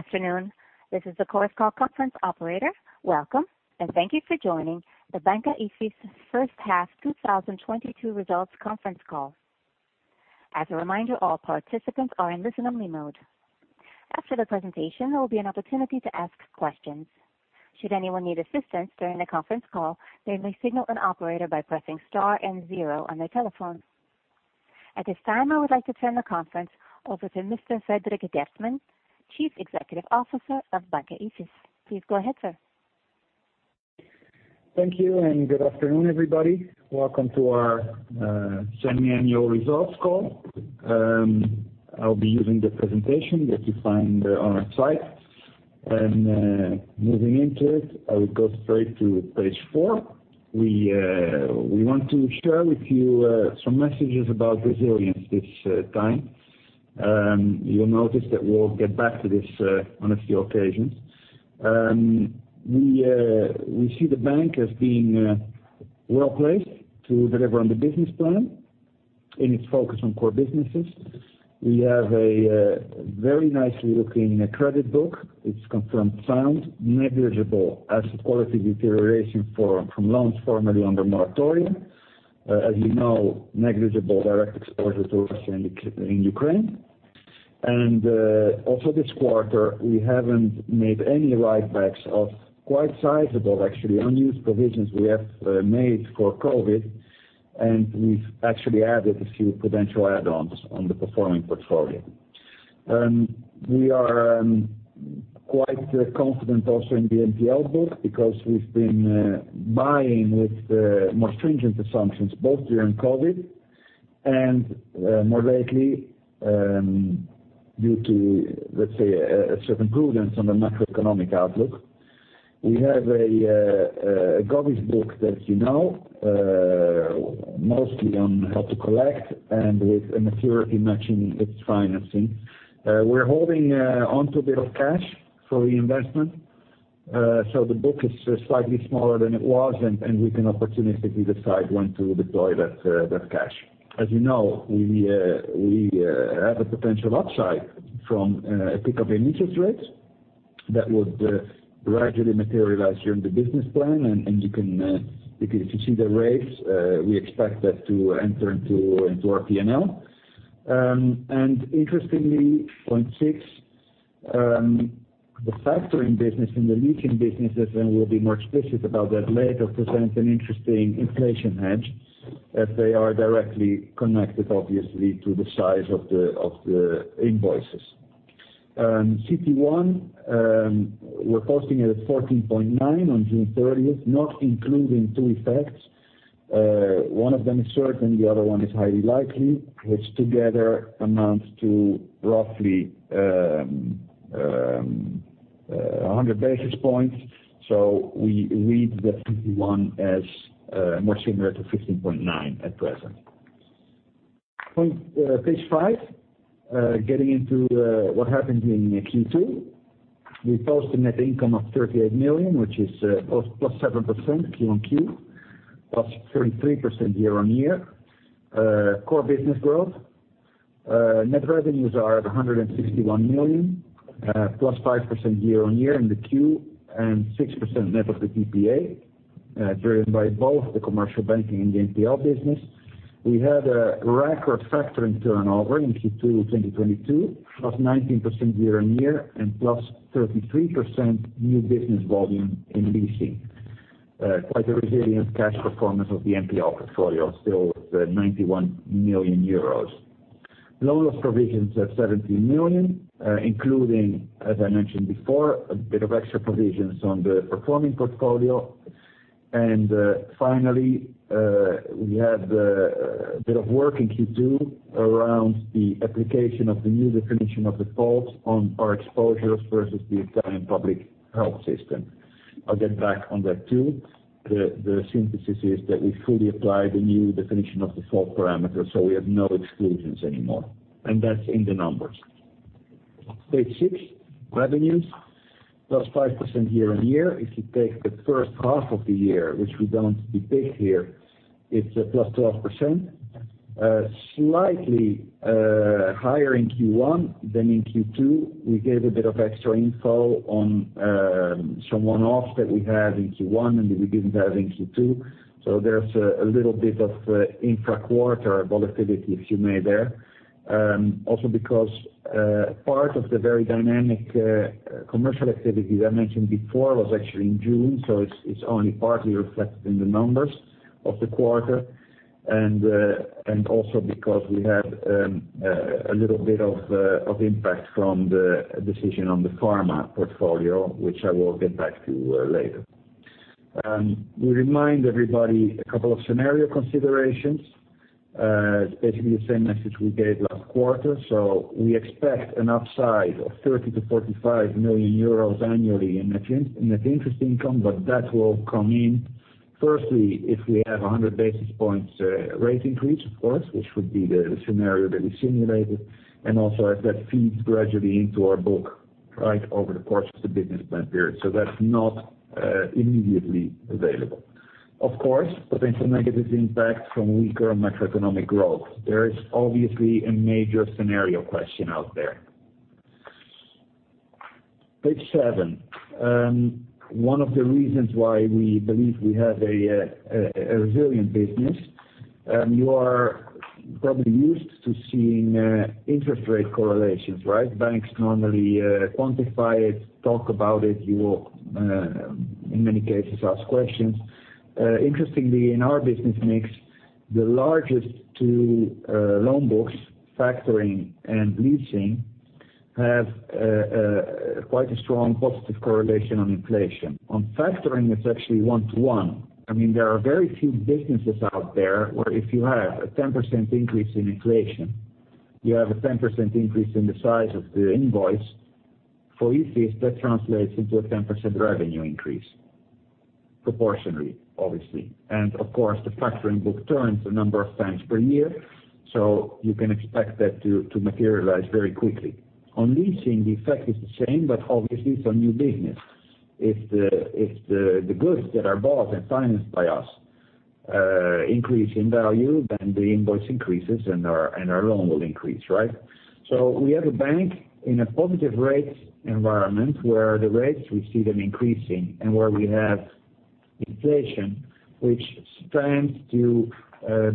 Good afternoon. This is the Chorus Call Conference Operator. Welcome, and thank you for joining the Banca Ifis first half 2022 results conference call. As a reminder, all participants are in listen only mode. After the presentation, there will be an opportunity to ask questions. Should anyone need assistance during the conference call, they may signal an operator by pressing star and zero on their telephone. At this time, I would like to turn the conference over to Mr. Frederik Geertman, Chief Executive Officer of Banca Ifis. Please go ahead, sir. Thank you, and good afternoon, everybody. Welcome to our semi-annual results call. I'll be using the presentation that you find on our site. And moving into it, I will go straight to page four. We want to share with you some messages about resilience this time. You'll notice that we'll get back to this on a few occasions. We, we see the bank as being well-placed to deliver on the business plan in its focus on core businesses. We have a very nicely looking credit book. It's confirmed sound, negligible asset quality deterioration from loans formerly under moratorium. As you know, negligible direct exposure to Russia and Ukraine. And also this quarter, we haven't made any write backs of quite sizable, actually unused provisions we have made for COVID, and we've actually added a few potential add-ons on the performing portfolio. And we are quite confident also in the NPL book because we've been buying with more stringent assumptions both during COVID and more lately due to, let's say, a certain prudence on the macroeconomic outlook. We have a GACS book, as you know, mostly on how to collect and with a maturity matching its financing. We're holding onto a bit of cash for reinvestment. So the book is slightly smaller than it was, and we can opportunistically decide when to deploy that cash. As you know, we, we have a potential upside from a pick up in interest rates that would gradually materialize during the business plan. And you can if you see the rates, we expect that to enter into our P&L. Interestingly, point six, the factoring business and the leasing businesses, and we'll be more explicit about that later, present an interesting inflation hedge as they are directly connected, obviously, to the size of the, of the invoices. CET1, we're quoting it at 14.9% on June 30, not including two effects. One of them is certain, the other one is highly likely, which together amounts to roughly 100 basis points. So we read the CET1 as more similar to 15.9% at present. Point, page five, getting into what happened in Q2. We posted net income of 38 million, which is plus 7% q-on-q, plus 33% year-on-year. Core business growth. Net revenues are at 161 million, plus 5% year-on-year in the Q, and 6% net of the GPA, driven by both the commercial banking and the NPL business. We had a record factoring turnover in Q2 2022, plus 19% year-on-year and plus 33% new business volume in leasing. Quite a resilient cash performance of the NPL portfolio, still at 91 million euros. Loan loss provisions at 17 million, including, as I mentioned before, a bit of extra provisions on the performing portfolio. And finally, we had a bit of work in Q2 around the application of the new Definition of Default on our exposures versus the Italian public health system. I'll get back on that too. The, the synthesis is that we fully apply the new Definition of Default parameters, so we have no exclusions anymore, and that's in the numbers. Page six, revenues plus 5% year-on-year. If you take the first half of the year, which we don't depict here, it's at plus 12%. Slightly higher in Q1 than in Q2. We gave a bit of extra info on some one-offs that we had in Q1 and that we didn't have in Q2. So there's a little bit of intra-quarter volatility if you may there. And also because part of the very dynamic commercial activity that I mentioned before was actually in June, so it's only partly reflected in the numbers of the quarter. And also because we had a little bit of impact from the decision on the pharma portfolio, which I will get back to later. And we remind everybody a couple of scenario considerations. It's basically the same message we gave last quarter. So we expect an upside of 30 million-45 million euros annually in net interest income, but that will come in, firstly, if we have 100 basis points rate increase, of course, which would be the scenario that we simulated, and also as that feeds gradually into our book right over the course of the business plan period. So that's not immediately available. Of course, potential negative impact from weaker macroeconomic growth. There is obviously a major scenario question out there. Page seven. One of the reasons why we believe we have a resilient business, you are probably used to seeing interest rate correlations, right? Banks normally quantify it, talk about it. You will in many cases ask questions. Interestingly, in our business mix, the largest two loan books, factoring and leasing, have quite a strong positive correlation on inflation. On factoring, it's actually one to one. I mean, there are very few businesses out there where if you have a 10% increase in inflation, you have a 10% increase in the size of the invoice. For Ifis, that translates into a 10% revenue increase proportionally, obviously. And of course, the factoring book turns a number of times per year, so you can expect that to materialize very quickly. On leasing, the effect is the same, but obviously it's on new business. If the, if the goods that are bought and financed by us increase in value, then the invoice increases and our loan will increase, right? So we have a bank in a positive rate environment where the rates we see them increasing and where we have inflation, which stands to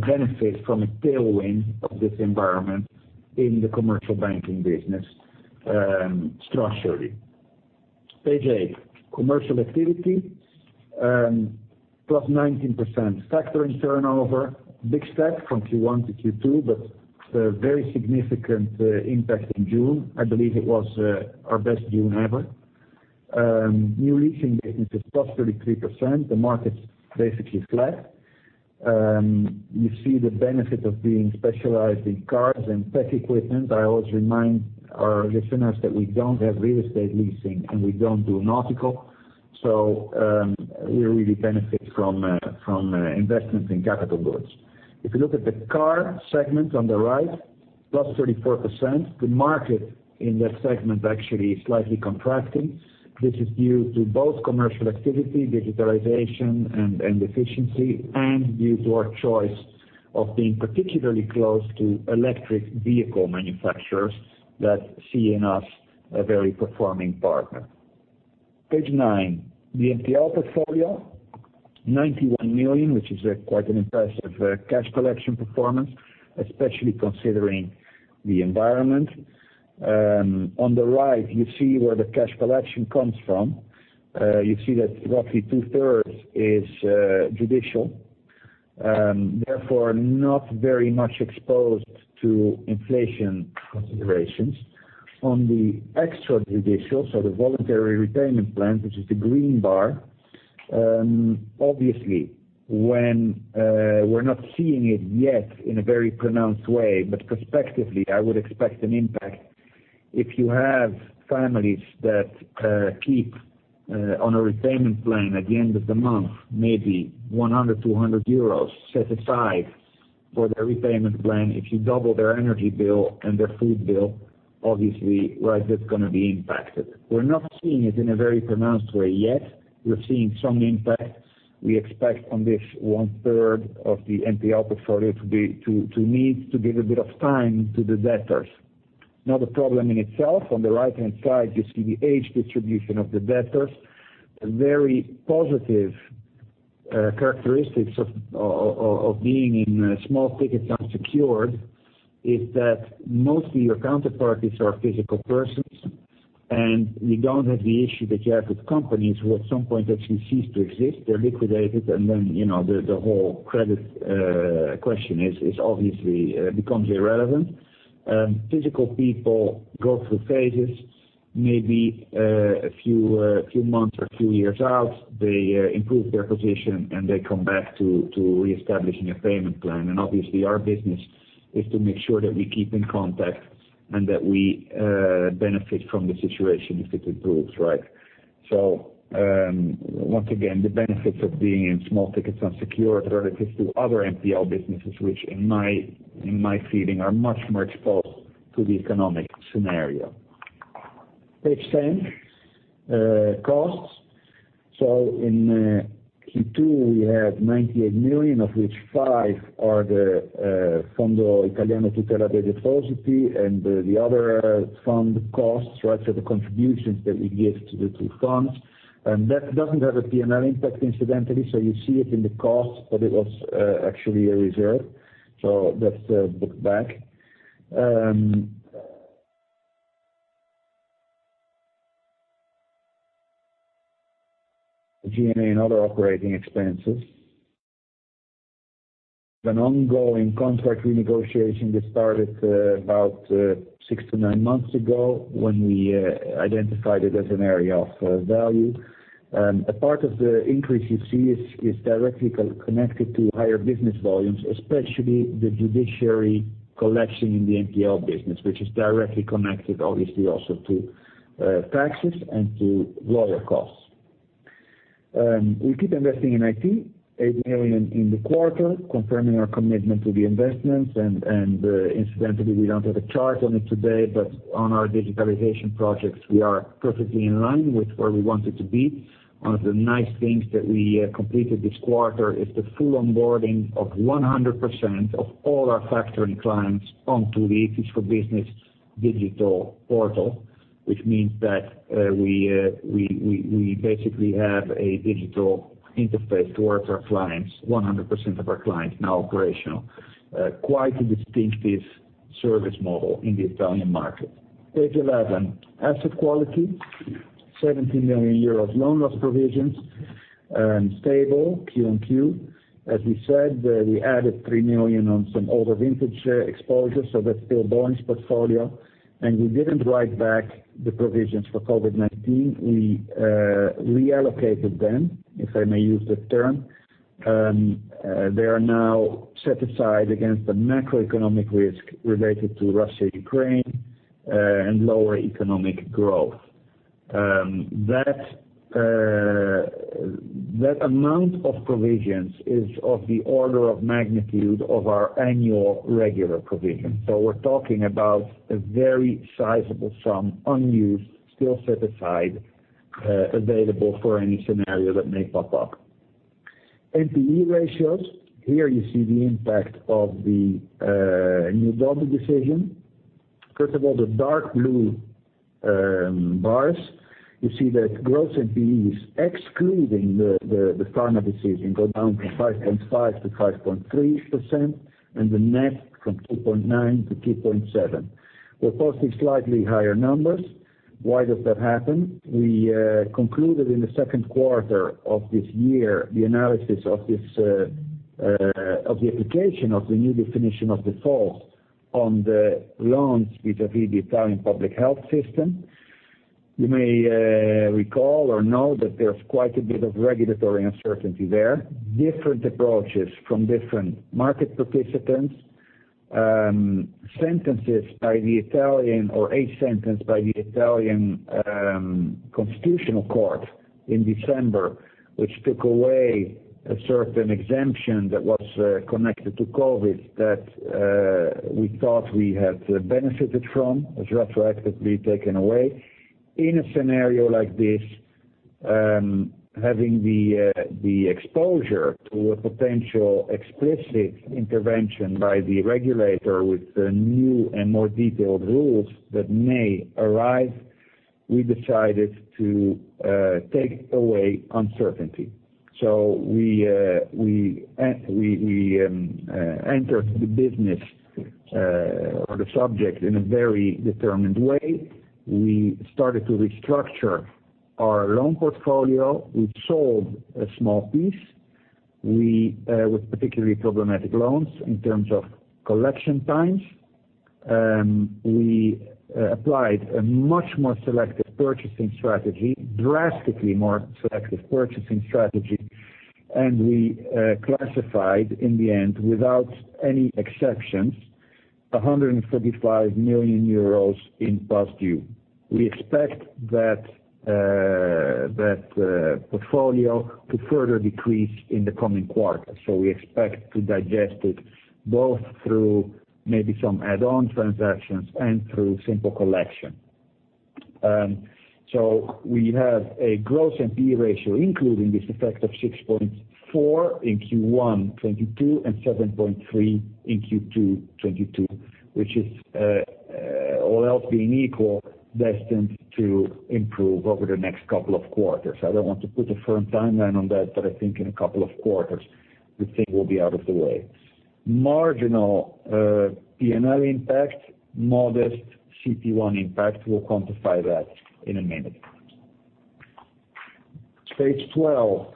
benefit from a tailwind of this environment in the commercial banking business, structurally. Page eight. Commercial activity plus 19%. Factoring turnover, big step from Q1 to Q2, but a very significant impact in June. I believe it was our best June ever. New leasing business is plus 33%. The market's basically flat. You see the benefit of being specialized in cars and tech equipment. I always remind our listeners that we don't have real estate leasing, and we don't do nautical. So we really benefit from investments in capital goods. If you look at the car segment on the right, +34%, the market in that segment actually is slightly contracting. This is due to both commercial activity, digitalization and efficiency, and due to our choice of being particularly close to electric vehicle manufacturers that see in us a very performing partner. Page nine. The NPL portfolio, 91 million, which is quite an impressive cash collection performance, especially considering the environment. On the right, you see where the cash collection comes from. You see that roughly two-thirds is judicial, therefore not very much exposed to inflation considerations. On the extrajudicial, so the voluntary repayment plan, which is the green bar, obviously, when we're not seeing it yet in a very pronounced way, but prospectively, I would expect an impact. If you have families that keep on a repayment plan at the end of the month, maybe 100, 200 euros set aside for their repayment plan. If you double their energy bill and their food bill, obviously, right, that's gonna be impacted. We're not seeing it in a very pronounced way yet. We're seeing some impact. We expect on this 1/3 of the NPL portfolio to need to give a bit of time to the debtors. Not a problem in itself. On the right-hand side, you see the age distribution of the debtors. Very positive characteristics of being in small ticket unsecured is that mostly your counterparties are physical persons, and you don't have the issue that you have with companies who at some point actually cease to exist. They're liquidated, and then, you know, the whole credit question is obviously becomes irrelevant. Physical people go through phases, maybe a few months or a few years out, they improve their position, and they come back to reestablishing a payment plan. And obviously, our business is to make sure that we keep in contact and that we benefit from the situation if it improves, right? So once again, the benefits of being in small tickets unsecured relative to other NPL businesses, which in my feeling, are much more exposed to the economic scenario. Page 10, costs. In Q2, we had 98 million, of which 5 million are from the Fondo Interbancario di Tutela dei Depositi and the other fund costs, right, so the contributions that we give to the two funds. And that doesn't have a P&L impact incidentally, so you see it in the costs, but it was actually a reserve. So that's booked back. G&A and other operating expenses. An ongoing contract renegotiation that started about six to nine months ago when we identified it as an area of value. And a part of the increase you see is directly connected to higher business volumes, especially the judiciary collection in the NPL business, which is directly connected, obviously, also to taxes and to lawyer costs. And we keep investing in IT, 8 million in the quarter, confirming our commitment to the investments. And, and incidentally, we don't have a chart on it today, but on our digitalization projects, we are perfectly in line with where we wanted to be. One of the nice things that we completed this quarter is the full onboarding of 100% of all our factoring clients onto the IFIS for Business digital portal, which means that we, we, we basically have a digital interface towards our clients. 100% of our clients now operational. Quite a distinctive service model in the Italian market. Page 11. Asset quality, 70 million euros loan loss provisions, stable Q on Q. As we said, we added 3 million on some older vintage exposures, so that's stillborn portfolio. We didn't write back the provisions for COVID-19. We reallocated them, if I may use the term. They are now set aside against the macroeconomic risk related to Russia, Ukraine, and lower economic growth. That amount of provisions is of the order of magnitude of our annual regular provision. So we're talking about a very sizable sum, unused, still set aside, available for any scenario that may pop up. NPE ratios. Here you see the impact of the new DoD decision. First of all, the dark blue bars, you see that gross NPEs, excluding the pharma decision, go down from 5.5%-5.3%, and the net from 2.9%-2.7%. We're posting slightly higher numbers. Why does that happen? We concluded in the Q2 of this year the analysis of the application of the new Definition of Default on the loans vis-à-vis the Italian public health system. You may recall or know that there's quite a bit of regulatory uncertainty there. Different approaches from different market participants. A sentence by the Italian Constitutional Court in December, which took away a certain exemption that was connected to COVID that we thought we had benefited from. It was retroactively taken away. In a scenario like this, having the exposure to a potential explicit intervention by the regulator with new and more detailed rules that may arise, we decided to take away uncertainty. So we, we, we entered the business or the subject in a very determined way. We started to restructure our loan portfolio. We sold a small piece with particularly problematic loans in terms of collection times. And we applied a much, much more selective purchasing strategy, drastically more selective purchasing strategy. And we classified in the end, without any exceptions, 145 million euros in past due. We expect that portfolio to further decrease in the coming quarter. So we expect to digest it both through maybe some add-on transactions and through simple collection. So we have a gross NPE ratio, including this effect of 6.4% in Q1 2022 and 7.3% in Q2 2022, which is, all else being equal, destined to improve over the next couple of quarters. I don't want to put a firm timeline on that, but I think in a couple of quarters, the thing will be out of the way. Marginal, P&L impact, modest CET1 impact. We'll quantify that in a minute. Page 12.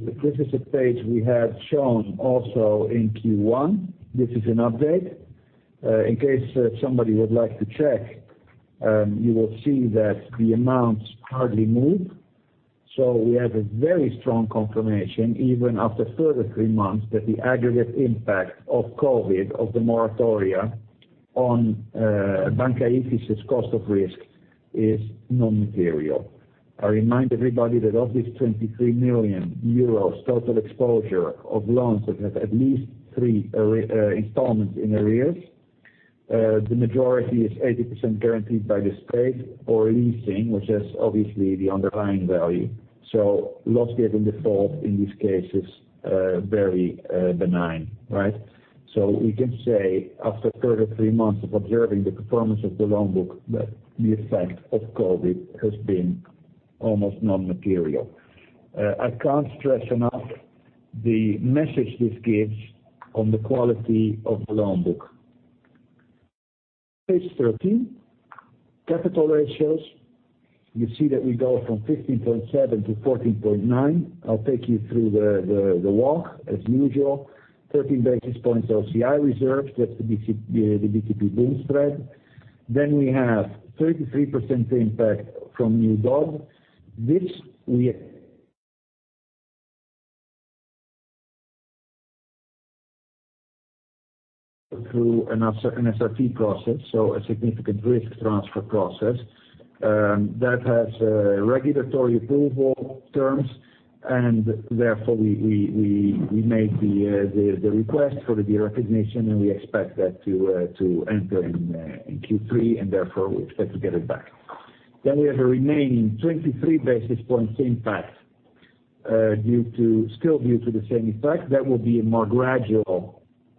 This is a page we have shown also in Q1. This is an update. In case somebody would like to check, you will see that the amounts hardly move. So we have a very strong confirmation, even after 33 months, that the aggregate impact of COVID, of the moratoria on, Banca Ifis' cost of risk is non-material. I remind everybody that of this 23 million euros total exposure of loans that have at least three arrears, the majority is 80% guaranteed by the state or leasing, which is obviously the underlying value. Loss given default in this case is very benign. Right? So we can say after 33 months of observing the performance of the loan book that the effect of COVID has been almost non-material. I can't stress enough the message this gives on the quality of the loan book. Page 13, capital ratios. You see that we go from 15.7-14.9. I'll take you through the walk as usual. 13 basis points OCI reserves, that's the BTP-Bund spread. Then we have 33% impact from new DoD. This we... Through an SRT process, so a significant risk transfer process. That has regulatory approval terms. And therefore, we, we, we make the request for the recognition, and we expect that to enter in Q3, and therefore, we expect to get it back. We have a remaining 23 basis points impact, due to still due to the same effect. That will be a more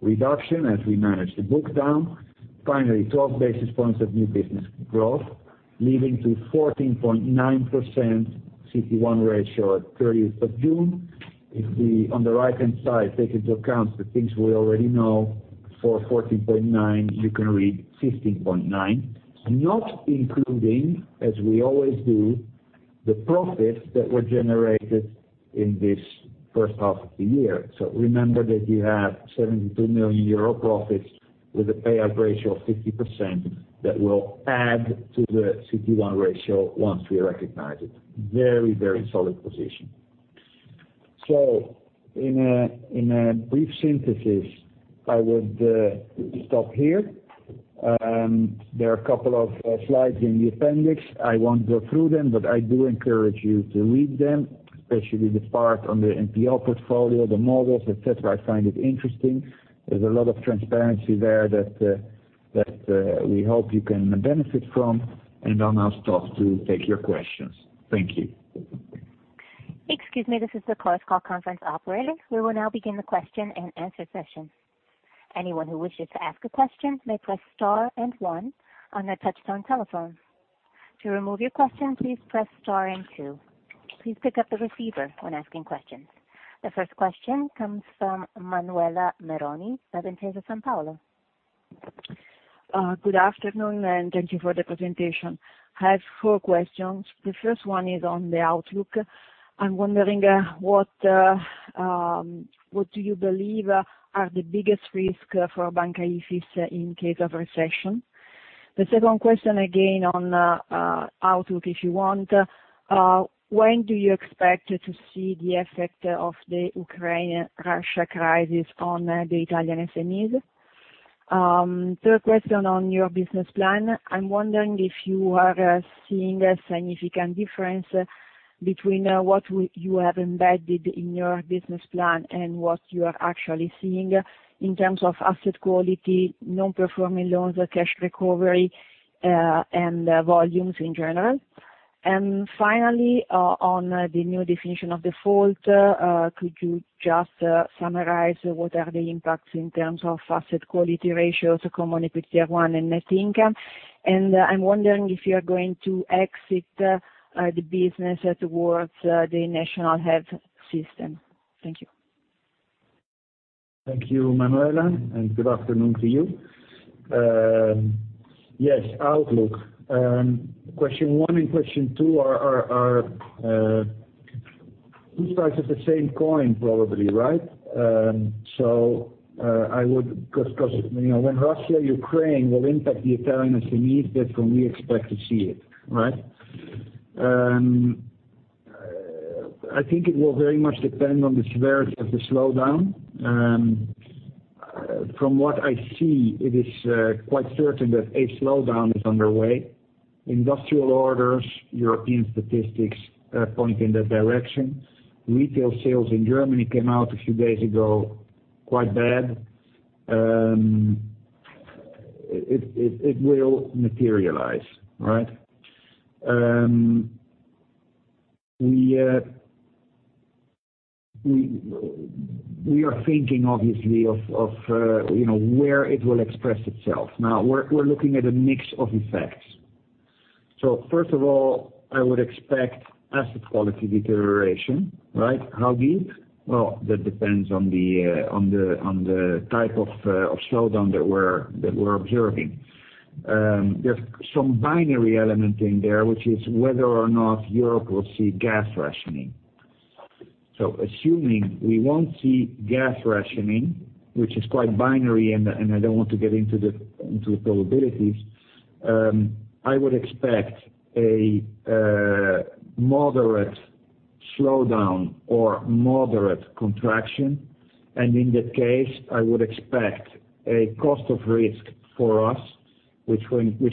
gradual reduction as we manage the book down. Finally, 12 basis points of new business growth, leading to 14.9% CET1 ratio at June 30. If we, on the right-hand side, take into account the things we already know for 14.9, you can read 15.9. Not including, as we always do, the profits that were generated in this first half of the year. So remember that you have 72 million euro profits with a payout ratio of 50% that will add to the CET1 ratio once we recognize it. Very, very solid position. So in a brief synthesis, I would stop here. And there are a couple of slides in the appendix. I won't go through them, but I do encourage you to read them, especially the part on the NPL portfolio, the models, et cetera. I find it interesting. There's a lot of transparency there that we hope you can benefit from. I'll now stop to take your questions. Thank you. Excuse me, this is the Chorus Call conference operator. We will now begin the question and answer session. Anyone who wishes to ask a question may press star and one on their touchtone telephone. To remove your question, please press star and two. Please pick up the receiver when asking questions. The first question comes from Manuela Meroni, Intesa Sanpaolo. Good afternoon, and thank you for the presentation. I have four questions. The first one is on the outlook. I'm wondering, what do you believe are the biggest risk for Banca Ifis in case of recession? The second question, again, on outlook, if you want. When do you expect to see the effect of the Ukraine-Russia crisis on the Italian SMEs? Third question on your business plan. I'm wondering if you are seeing a significant difference between what you have embedded in your business plan and what you are actually seeing in terms of asset quality, non-performing loans, cash recovery, and volumes in general. And finally, on the new Definition of Default, could you just summarize what are the impacts in terms of asset quality ratios, Common Equity Tier 1, and net income? I'm wondering if you are going to exit the business toward the national health system. Thank you. Thank you, Manuela, and good afternoon to you. Yes, outlook. Question one and question two are two sides of the same coin, probably, right? And so, I would 'cause, you know, when Russia, Ukraine will impact the Italian SMEs, that's when we expect to see it, right? And I think it will very much depend on the severity of the slowdown. And from what I see, it is quite certain that a slowdown is underway. Industrial orders, European statistics point in that direction. Retail sales in Germany came out a few days ago, quite bad. It will materialize, right? We are thinking obviously of, you know, where it will express itself. Now, we're looking at a mix of effects. So first of all, I would expect asset quality deterioration, right? How deep? Well, that depends on the type of slowdown that we're observing. There's some binary element in there, which is whether or not Europe will see gas rationing. So assuming we won't see gas rationing, which is quite binary, and I don't want to get into the probabilities, I would expect a moderate slowdown or moderate contraction. And in that case, I would expect a cost of risk for us, which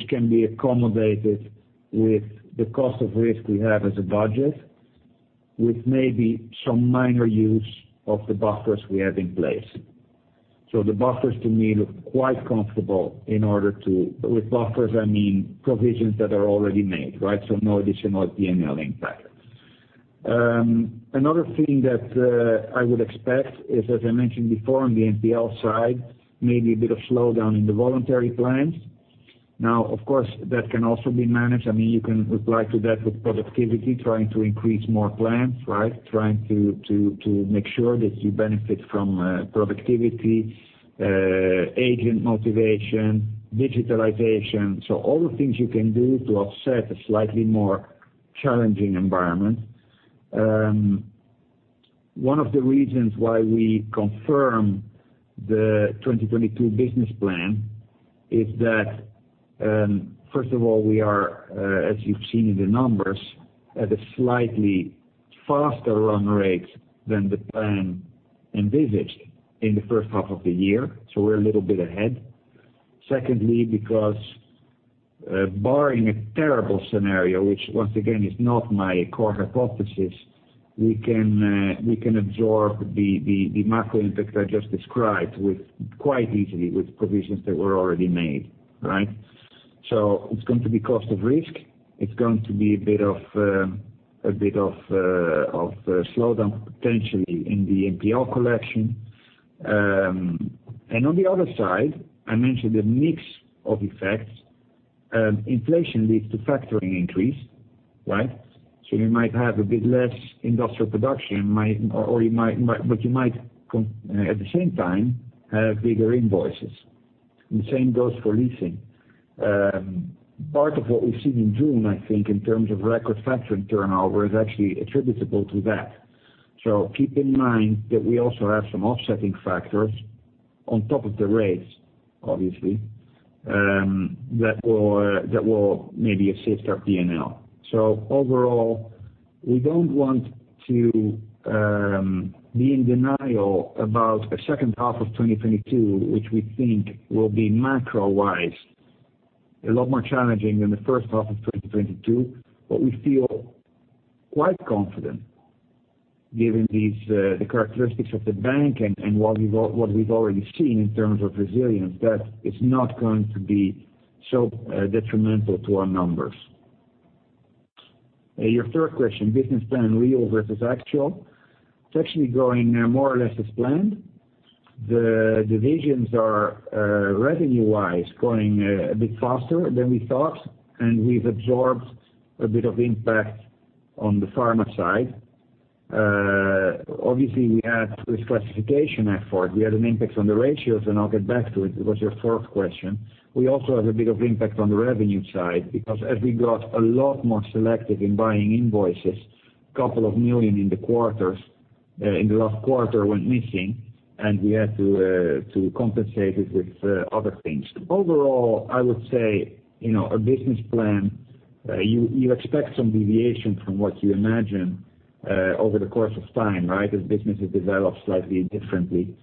can be accommodated with the cost of risk we have as a budget, with maybe some minor use of the buffers we have in place. So the buffers to me look quite comfortable. With buffers, I mean provisions that are already made, right? No additional P&L impact. Another thing that I would expect is, as I mentioned before on the NPL side, maybe a bit of slowdown in the voluntary plans. Now, of course, that can also be managed. I mean, you can reply to that with productivity, trying to increase more plans, right? Trying to, to, to make sure that you benefit from productivity, agent motivation, digitalization. So all the things you can do to offset a slightly more challenging environment. One of the reasons why we confirm the 2022 business plan is that, first of all, we are, as you've seen in the numbers, at a slightly faster run rate than the plan envisaged in the first half of the year, so we're a little bit ahead. Secondly, because barring a terrible scenario, which once again is not my core hypothesis, we can absorb the macro impact I just described with quite easily with provisions that were already made, right? So it's going to be cost of risk. It's going to be a bit, a bit of the of slowdown potentially in the NPL collection. On the other side, I mentioned a mix of effects. Inflation leads to factoring increase, right? You might have a bit less industrial production. You might at the same time have bigger invoices, and the same goes for leasing. Part of what we've seen in June, I think, in terms of record factoring turnover is actually attributable to that. So keep in mind that we also have some offsetting factors on top of the rates, obviously, that will, that will maybe assist our P&L. So overall, we don't want to be in denial about a second half of 2022, which we think will be macro-wise, a lot more challenging than the first half of 2022. But we feel quite confident given these the characteristics of the bank and what we've already seen in terms of resilience, that it's not going to be so detrimental to our numbers. Your third question, business plan real versus actual. It's actually going more or less as planned. The divisions are revenue-wise going a bit faster than we thought, and we've absorbed a bit of impact on the pharma side. Obviously, we had this classification effort. We had an impact on the ratios, and I'll get back to it. It was your fourth question. We also have a bit of impact on the revenue side, because as we got a lot more selective in buying invoices, 2 million in the quarters, in the last quarter went missing, and we had to compensate it with other things. Overall, I would say, you know, a business plan, you expect some deviation from what you imagine over the course of time, right? As businesses develop slightly differently.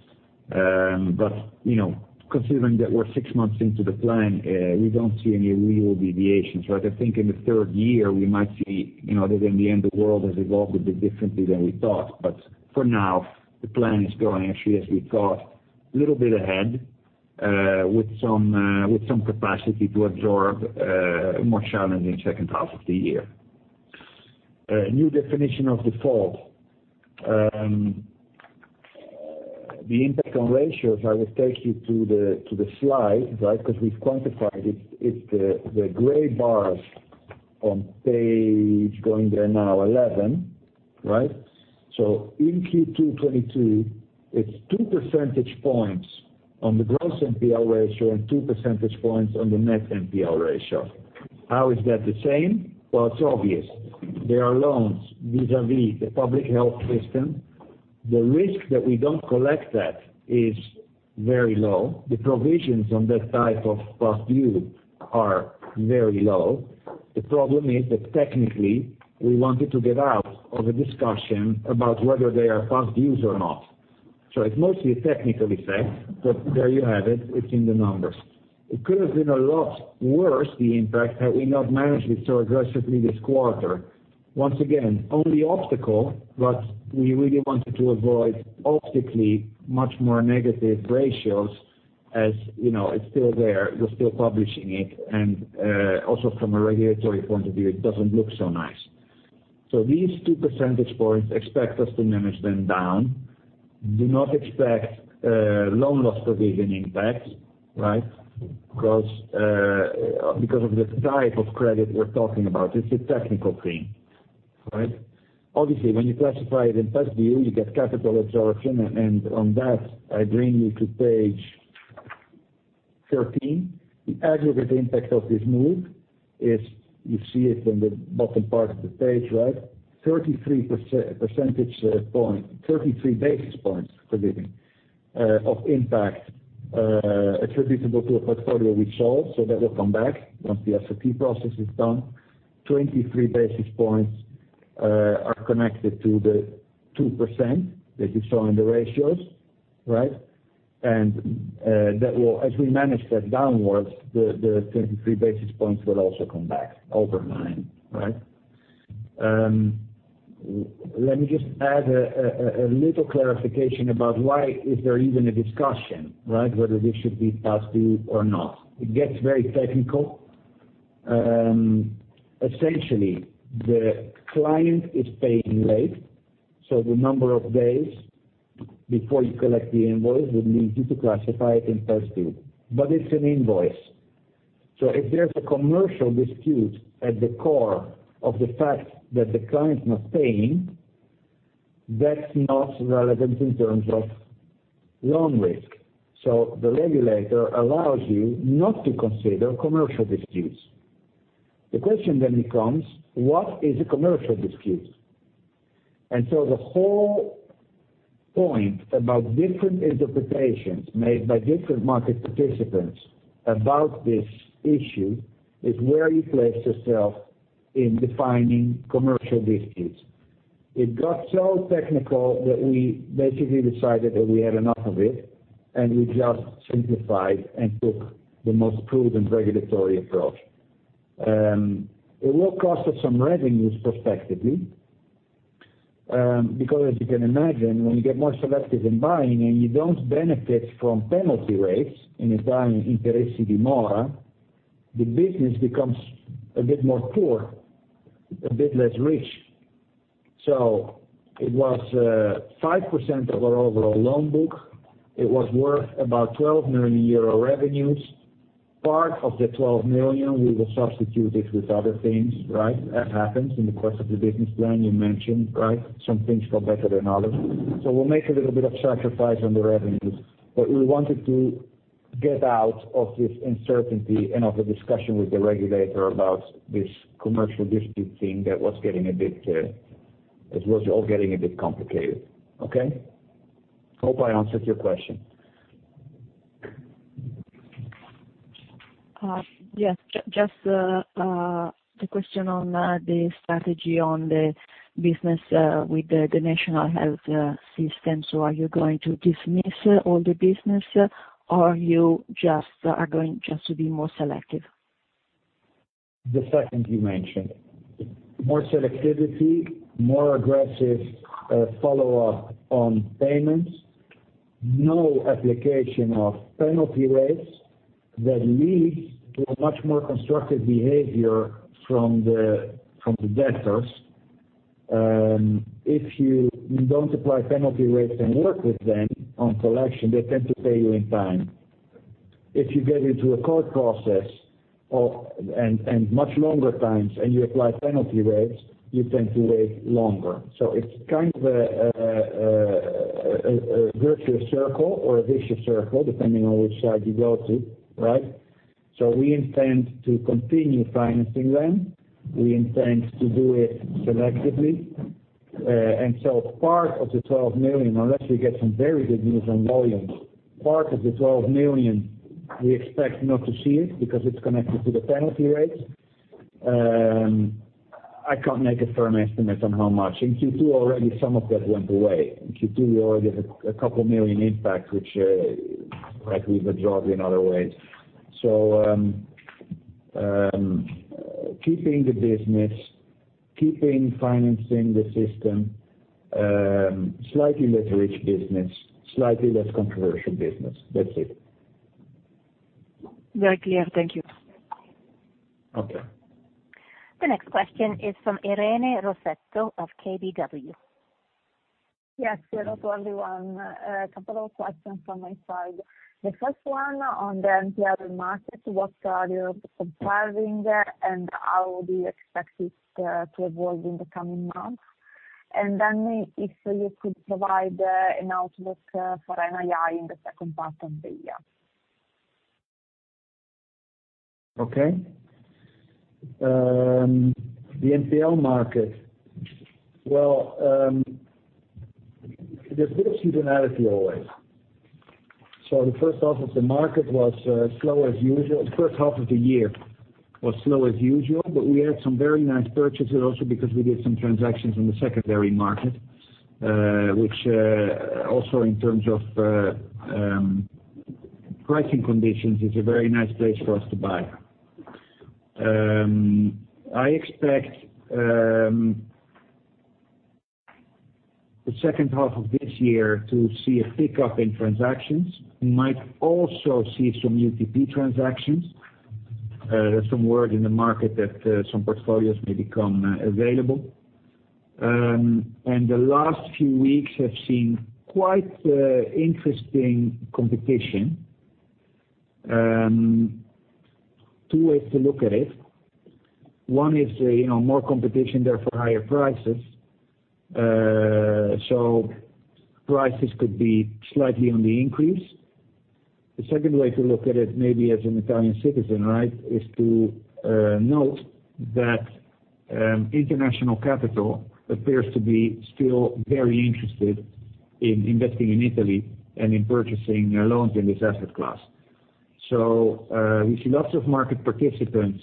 You know, considering that we're six months into the plan, we don't see any real deviations, right? I think in the third year, we might see, you know, that in the end, the world has evolved a bit differently than we thought. But for now, the plan is going actually as we thought, a little bit ahead, with some, with some capacity to absorb more challenge in the second half of the year. New Definition of Default. The impact on ratios, I will take you to the, to the slide, right? 'Cause we've quantified it. It's the gray bars on page 11, right? So in Q2 2022, it's two percentage points on the gross NPL ratio and two percentage points on the net NPL ratio. How is that the same? Well, it's obvious. There are loans vis-à-vis the public health system. The risk that we don't collect that is very low. The provisions on that type of past due are very low. The problem is that technically, we wanted to get out of a discussion about whether they are past dues or not. It's mostly a technical effect, but there you have it. It's in the numbers. It could have been a lot worse, the impact, had we not managed it so aggressively this quarter. Once again, only optical, but we really wanted to avoid optically much more negative ratios as, you know, it's still there, we're still publishing it, and also from a regulatory point of view, it doesn't look so nice. So these two percentage points expect us to manage them down. Do not expect loan loss provision impact, right? Because because of the type of credit we're talking about. It's a technical thing, right? Obviously, when you classify it in past due, you get capital absorption, and on that, I bring you to page 13. The aggregate impact of this move is you see it in the bottom part of the page, right? 33 basis points, forgive me, of impact, attributable to a portfolio we sold, so that will come back once the SRT process is done. 23 basis points are connected to the 2% that you saw in the ratios, right? That will. As we manage that downwards, the 23 basis points will also come back over time, right? Let me just add a little clarification about why is there even a discussion, right? Whether this should be past due or not. It gets very technical. Essentially, the client is paying late, so the number of days before you collect the invoice would lead you to classify it in past due. But it's an invoice. If there's a commercial dispute at the core of the fact that the client's not paying, that's not relevant in terms of loan risk. So the regulator allows you not to consider commercial disputes. The question then becomes, what is a commercial dispute? And so the whole point about different interpretations made by different market participants about this issue is where you place yourself in defining commercial disputes. It got so technical that we basically decided that we had enough of it, and we just simplified and took the most prudent regulatory approach. And it will cost us some revenues prospectively, because as you can imagine, when you get more selective in buying and you don't benefit from penalty rates and you're buying interessi di mora, the business becomes a bit more poor, a bit less rich. So it was 5% of our overall loan book. It was worth about 12 million euro revenues. Part of the 12 million, we will substitute it with other things, right? That happens in the course of the business plan you mentioned, right? Some things go better than others. So we'll make a little bit of sacrifice on the revenues. But we wanted to get out of this uncertainty and of the discussion with the regulator about this commercial dispute thing that was getting a bit. It was all getting a bit complicated, okay? Hope I answered your question. Yes. Just the question on the strategy on the business with the national health system. So are you going to dismiss all the business or you are just going to be more selective? The second you mentioned. More selectivity, more aggressive follow-up on payments, no application of penalty rates that leads to a much more constructive behavior from the debtors. And if you don't apply penalty rates and work with them on collection, they tend to pay you in time. If you get into a court process or much longer times and you apply penalty rates, you tend to wait longer. So it's kind of a virtuous circle or a vicious circle, depending on which side you go to, right? So we intend to continue financing them. We intend to do it selectively. And so part of the 12 million, unless we get some very good news on volumes, part of the 12 million we expect not to see it because it's connected to the penalty rates. And I can't make a firm estimate on how much. In Q2 already some of that went away. In Q2 we already had a couple million impact which likely will drop in other ways. So keeping the business, keeping financing the system, slightly less rich business, slightly less controversial business. That's it. Very clear. Thank you. Okay. The next question is from Irene Rossetto of KBW. Yes. Hello to everyone. A couple of questions from my side. The first one on the NPL market, what are you observing there, and how do you expect it to evolve in the coming months? And if you could provide an outlook for NII in the second part of the year. Okay. The NPL market. Well, there's good seasonality always. So the first half of the market was slow as usual. First half of the year was slow as usual, but we had some very nice purchases also because we did some transactions in the secondary market, which, also in terms of, pricing conditions is a very nice place for us to buy. I expect the second half of this year to see a pick-up in transactions. We might also see some UTP transactions. There's some word in the market that some portfolios may become available. And the last few weeks have seen quite interesting competition. Two ways to look at it. One is, you know, more competition, therefore higher prices. So prices could be slightly on the increase. The second way to look at it, maybe as an Italian citizen, right, is to note that international capital appears to be still very interested in investing in Italy and in purchasing loans in this asset class. So we see lots of market participants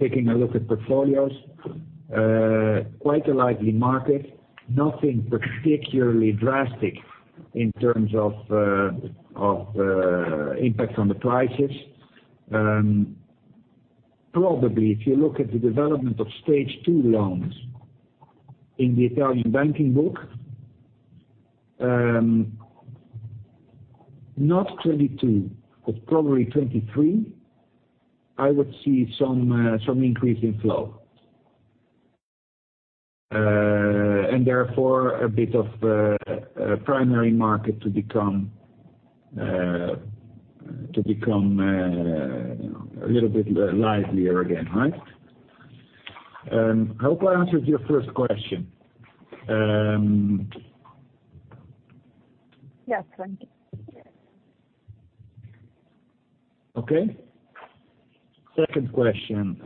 taking a look at portfolios. Quite a lively market. Nothing particularly drastic in terms of impact on the prices. Probably if you look at the development of Stage 2 loans in the Italian banking book, not 2022, but probably 2023, I would see some increase in flow. And therefore a bit of primary market to become a little bit livelier again, right? I hope I answered your first question. Yes. Thank you. Okay. Second question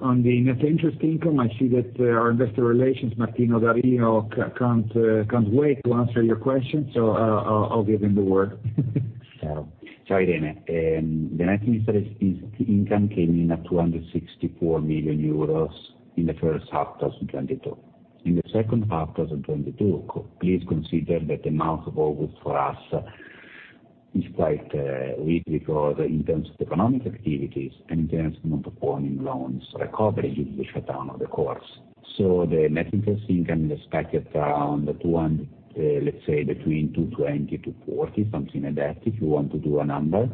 on the net interest income, I see that our investor relations, Martino Da Rio can't wait to answer your question, so I'll give him the word. Ciao. Ciao, Irene. The net interest income came in at 264 million euros in the first half, 2022. In the second half, 2022, please consider that the month of August for us is quite weak because in terms of economic activities and in terms of non-performing loans recovery due to the shutdown of the courts. So the net interest income is expected around 200, let's say between 220-240, something like that, if you want to do a number.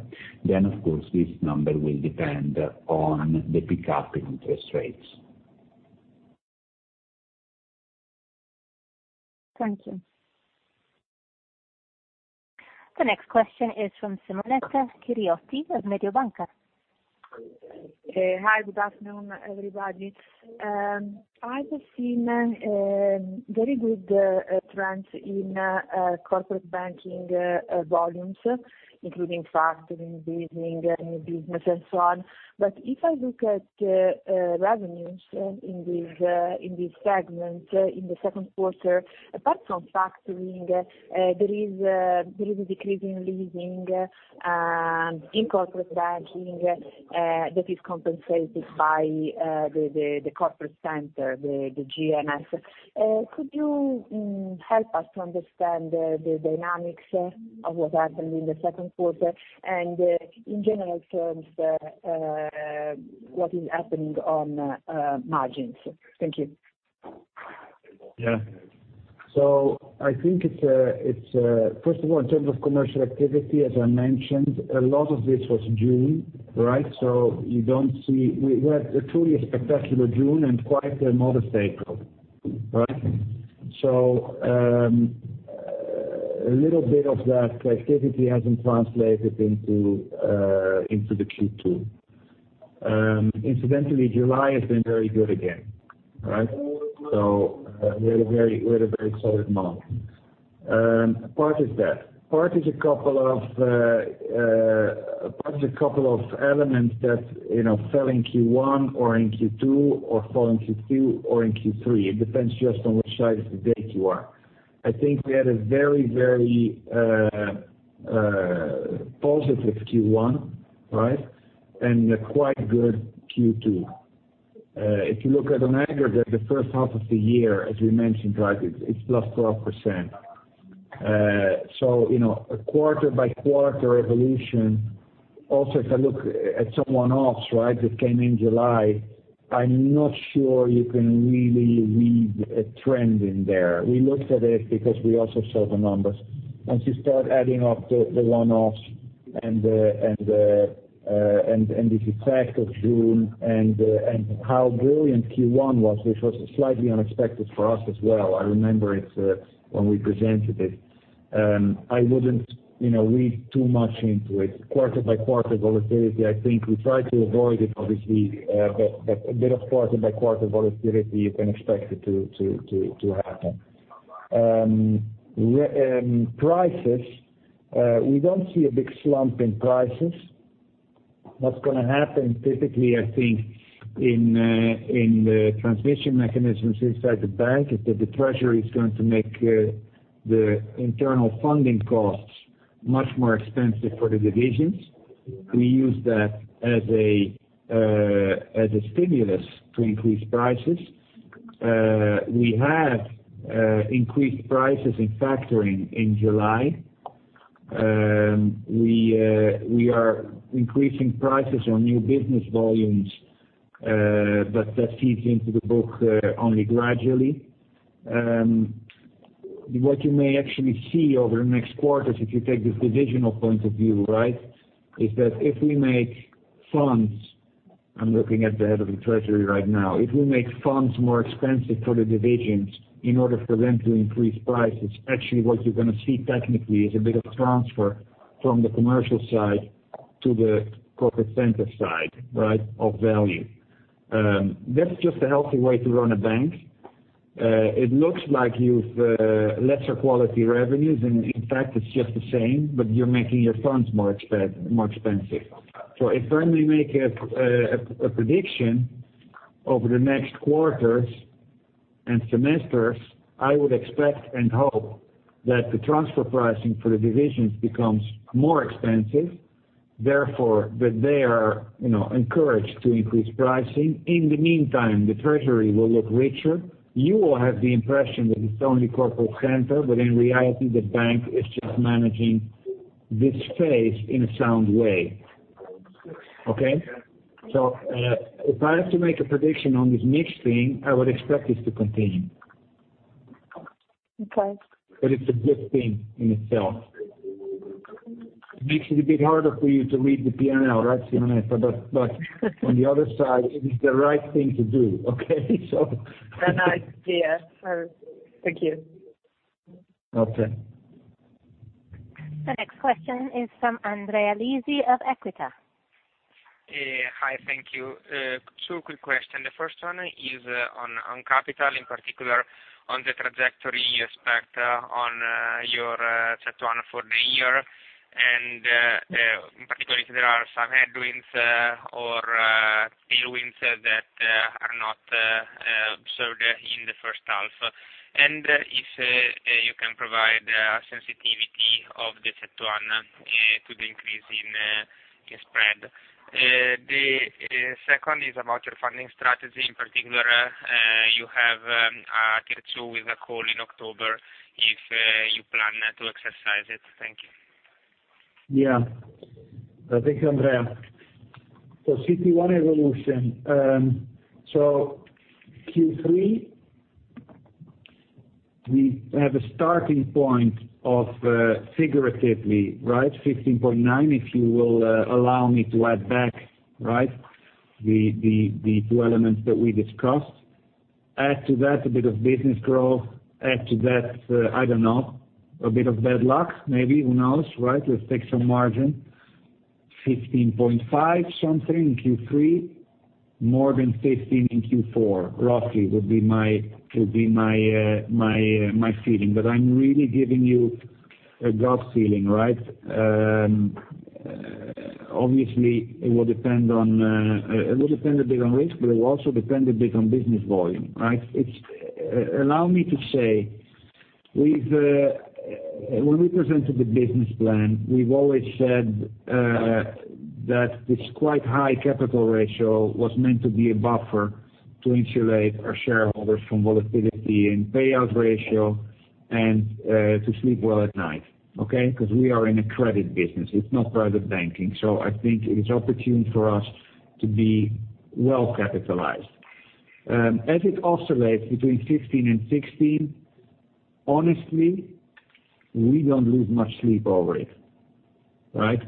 And of course, this number will depend on the pickup in interest rates. Thank you. The next question is from Simonetta Chiriotti of Mediobanca. Hi. Good afternoon, everybody. I have seen very good trends in corporate banking volumes, including factoring, leasing, new business and so on. But if I look at revenues in this segment in the Q2, apart from factoring, there is a decrease in leasing in corporate banking that is compensated by the corporate center, the GMS. And could you help us to understand the dynamics of what happened in the Q2, and in general terms, what is happening on margins? Thank you. Yeah. So, I think it's first of all, in terms of commercial activity, as I mentioned, a lot of this was June, right? You don't see. We had a truly spectacular June and quite a modest April, right? So a little bit of that activity hasn't translated into the Q2. Incidentally, July has been very good again, right? So we had a very solid month. Part is that. Part is a couple of, couple of elements that, you know, fell in Q1 or in Q2, or fall in Q2 or in Q3. It depends just on which side of the date you are. I think we had a very positive Q1, right, and a quite good Q2. If you look at on aggregate, the first half of the year, as we mentioned, right, it's +12%. You know, a quarter-by-quarter evolution, also if I look at some one-offs, right, that came in July, I'm not sure you can really read a trend in there. We looked at it because we also saw the numbers. Once you start adding up the one-offs and the effect of June and how brilliant Q1 was, which was slightly unexpected for us as well, I remember it when we presented it, I wouldn't, you know, read too much into it. Quarter-by-quarter volatility, I think we try to avoid it, obviously. But a bit of quarter-by-quarter volatility you can expect to, to, to happen. And prices, we don't see a big slump in prices. What's gonna happen typically, I think, in the transmission mechanisms inside the bank, is that the treasury is going to make the internal funding costs much more expensive for the divisions. We use that as a stimulus to increase prices. We have increased prices in factoring in July. We, we are increasing prices on new business volumes, but that feeds into the book only gradually. And what you may actually see over the next quarters, if you take this divisional point of view, right, is that if we make funds more expensive for the divisions in order for them to increase prices, actually what you're gonna see technically is a bit of transfer from the commercial side to the corporate center side, right, of value. That's just a healthy way to run a bank. It looks like you've lesser quality revenues. In fact, it's just the same, but you're making your funds more expensive. So if I may make a prediction over the next quarters and semesters, I would expect and hope that the transfer pricing for the divisions becomes more expensive, therefore, that they are, you know, encouraged to increase pricing. In the meantime, the treasury will look richer. You will have the impression that it's only corporate center, but in reality, the bank is just managing this phase in a sound way. Okay? So if I have to make a prediction on this mix thing, I would expect this to continue. Okay. It's a good thing in itself. Makes it a bit harder for you to read the P&L, right, Simonetta? But on the other side, it is the right thing to do. Okay? I see, yes. Thank you. Okay. The next question is from Andrea Lisi of Equita. Hi. Thank you. Two quick question. The first one is on capital, in particular on the trajectory you expect on your CET1 for the year, and in particular if there are some headwinds or tailwinds that are not observed in the first half. And if you can provide sensitivity of the CET1 to the increase in spread. The second is about your funding strategy. In particular, you have a Tier 2 with a call in October, if you plan to exercise it. Thank you. Yeah. Thank you, Andrea. CET1 evolution. Q3, we have a starting point of, figuratively, right, 15.9%, if you will, allow me to add back, right, the two elements that we discussed. Add to that a bit of business growth. Add to that, I don't know, a bit of bad luck maybe. Who knows, right? Let's take some margin. 15.5 something in Q3, more than 15% in Q4, roughly would be my, would be my, my feeling. But I'm really giving you a gut feeling, right? Obviously, it will depend a bit on risk, but it will also depend a bit on business volume, right? Allow me to say, we've when we presented the business plan, we've always said that this quite high capital ratio was meant to be a buffer to insulate our shareholders from volatility and payout ratio and to sleep well at night, okay? Because we are in a credit business, it's not private banking. So I think it is opportune for us to be well capitalized. As it oscillates between 15 and 16, honestly, we don't lose much sleep over it. Right?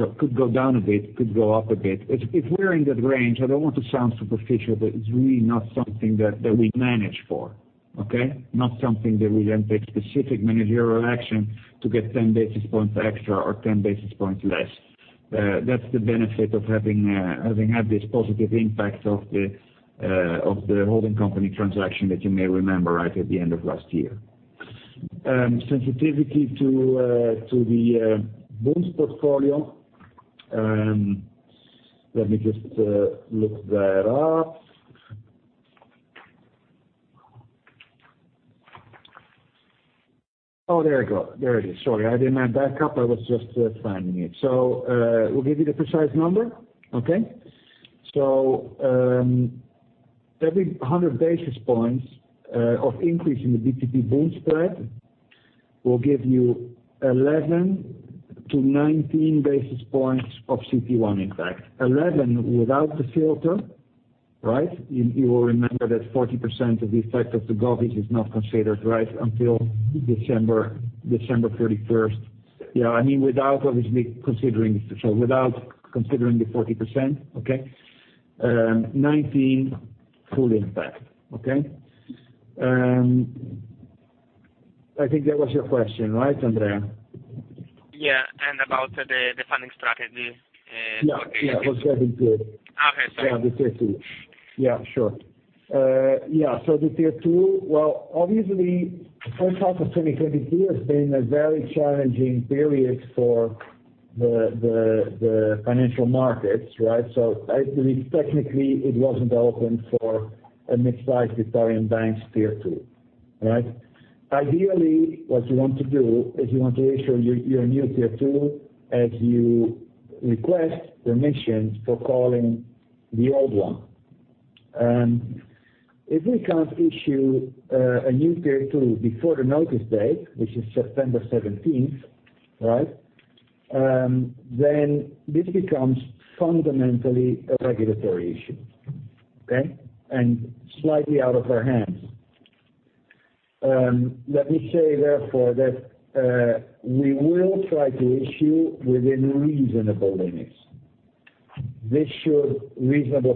It could go down a bit, could go up a bit. If we're in that range, I don't want to sound superficial, but it's really not something that we manage for. Okay? Not something that we then take specific managerial action to get 10 basis points extra or 10 basis points less. That's the benefit of having had this positive impact of the holding company transaction that you may remember right at the end of last year. Sensitivity to the, to the bond portfolio. Let me just look that up. There I go. There it is. Sorry, I didn't have backup. I was just finding it. So we'll give you the precise number. Okay? So every 100 basis points of increase in the BTP-Bund spread will give you 11-19 basis points of CET1 impact. 11 without the filter, right? You will remember that 40% of the effect of the govies is not considered, right, until December 31st. I mean, without obviously considering the 40%. Okay? 19 full impact. Okay? I think that was your question, right, Andrea? Yeah. And about the funding strategy. Yeah. Yeah. Okay. Sorry. Yeah. The Tier 2. Yeah, sure. Yeah, so the Tier 2, well, obviously, first half of 2022 has been a very challenging period for the financial markets, right? So I believe technically it wasn't open for a mid-sized Italian bank's Tier 2. Right? Ideally, what you want to do is you want to issue your new Tier 2 as you request permission for calling the old one. And if we can't issue a new Tier 2 before the notice date, which is September 17, right, then this becomes fundamentally a regulatory issue. Okay? And slightly out of our hands. Let me say therefore that we will try to issue within reasonable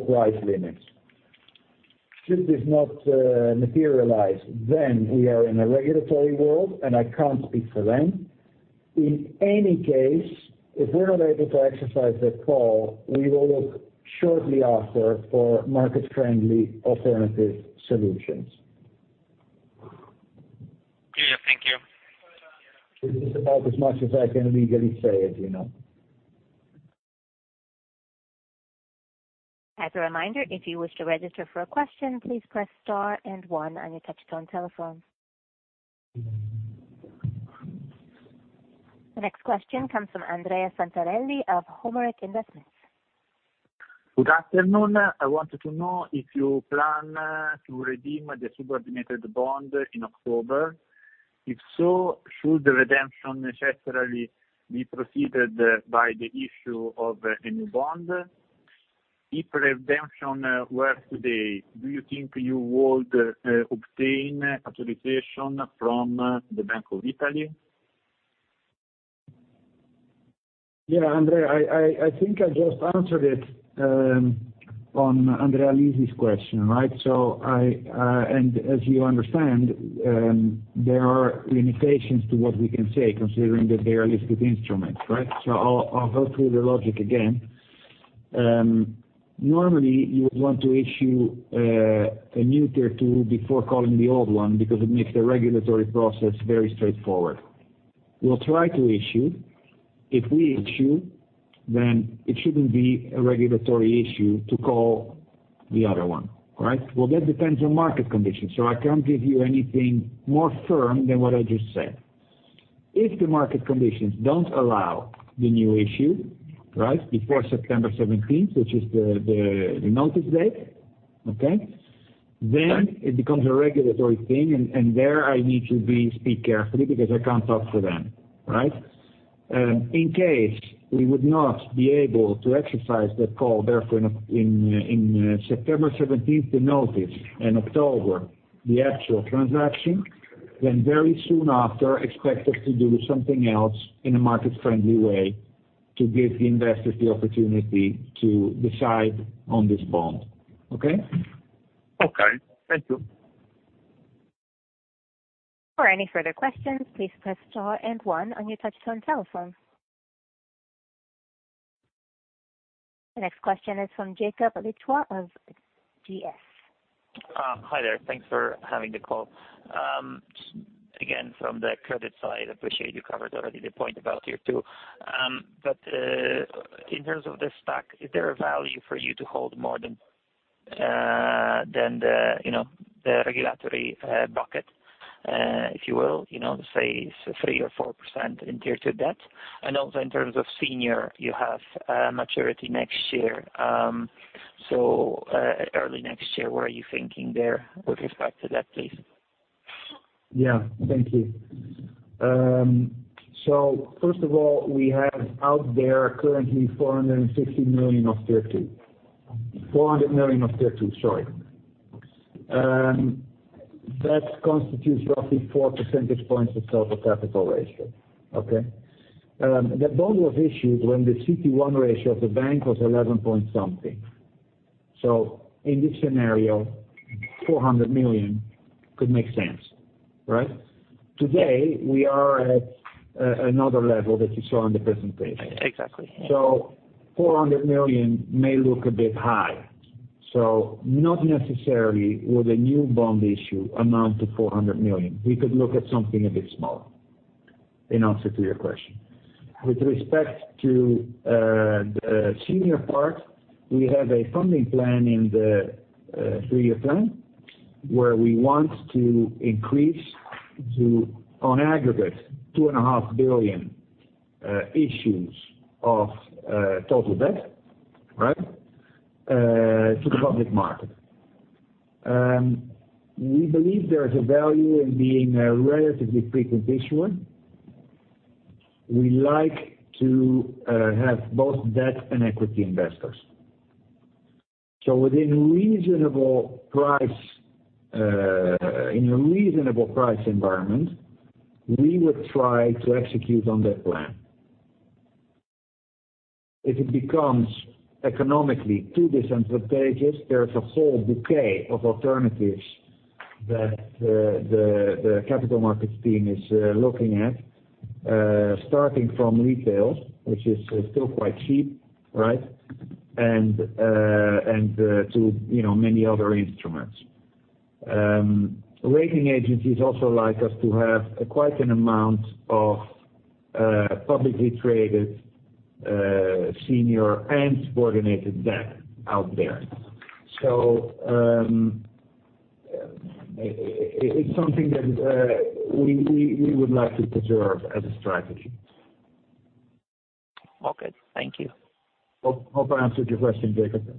price limits. Should this not materialize, then we are in a regulatory world, and I can't speak for them. In any case, if we're not able to exercise that call, we will look shortly after for market-friendly alternative solutions. Beautiful. Thank you. This is about as much as I can legally say as you know. As a reminder, if you wish to register for a question, please press star and one on your touchtone telephone. The next question comes from Andrea Santarelli of Algebris Investments. Good afternoon. I wanted to know if you plan to redeem the subordinated bond in October. If so, should the redemption necessarily be preceded by the issue of a new bond? If redemption were today, do you think you would obtain authorization from the Bank of Italy Yeah, Andrea, I, I, I think I just answered it. On Andrea Lisi's question, right? So as you understand, there are limitations to what we can say considering that they are listed instruments, right? So I'll go through the logic again. And normally you would want to issue a new Tier 2 before calling the old one because it makes the regulatory process very straightforward. We'll try to issue. If we issue, then it shouldn't be a regulatory issue to call the other one, right? Well, that depends on market conditions, so I can't give you anything more firm than what I just said. If the market conditions don't allow the new issue, right, before September seventeenth, which is the notice date, okay? Then it becomes a regulatory thing, and there I need to be. Speak carefully because I can't talk for them, right? In case we would not be able to exercise that call, therefore, in September seventeenth, the notice, in October, the actual transaction, then very soon after, expect us to do something else in a market-friendly way to give the investors the opportunity to decide on this bond. Okay? Okay. Thank you. For any further questions, please press star and one on your touchtone telephone. The next question is from Jacob Litois of GS. Hi there. Thanks for having the call. Again, from the credit side, appreciate you covered already the point about Tier 2. But in terms of the stack, is there a value for you to hold more than the you know the regulatory bucket if you will you know say 3% or 4% in Tier 2 debt? And also in terms of senior, you have maturity next year so early next year, what are you thinking there with respect to that, please? Yeah. Thank you. So first of all, we have out there currently 400 million of Tier 2, sorry. That constitutes roughly four percentage points of total capital ratio, okay? That bond was issued when the CET1 ratio of the bank was 11.something%. So in this scenario, 400 million could make sense, right? Today, we are at another level that you saw on the presentation. Exactly. Yeah. So 400 million may look a bit high. Not necessarily would a new bond issue amount to 400 million. We could look at something a bit smaller, in answer to your question. With respect to the senior part, we have a funding plan in the three-year plan, where we want to increase to, on aggregate, 2.5 billion issues of total debt, right, to the public market. And we believe there's a value in being a relatively frequent issuer. We like to have both debt and equity investors. So within reasonable price, in a reasonable price environment, we would try to execute on that plan. If it becomes economically too disadvantageous, there's a whole bouquet of alternatives that the, the, the capital markets team is looking at, starting from retail, which is still quite cheap, right, and to you know many other instruments. Rating agencies also like us to have quite an amount of publicly traded senior and subordinated debt out there. So it's something that we would like to preserve as a strategy. All good. Thank you. I hope I answered your question, Jacob Litois.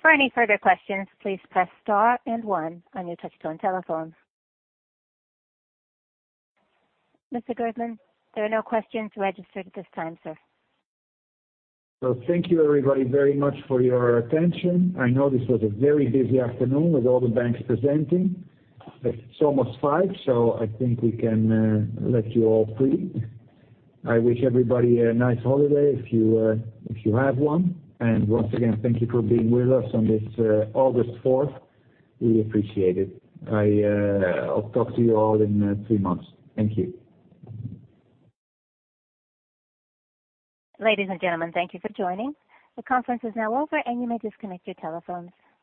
For any further questions, please press star and one on your touchtone telephone. Mr. Geertman, there are no questions registered at this time, sir. Well, thank you, everybody, very much for your attention. I know this was a very busy afternoon with all the banks presenting. It's almost five, so I think we can let you all free. I wish everybody a nice holiday if you, if you have one. Once again, thank you for being with us on this, August 4th. We appreciate it. I'll talk to you all in, three months. Thank you. Ladies and gentlemen, thank you for joining. The conference is now over, and you may disconnect your telephones.